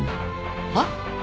はっ？